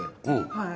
はい。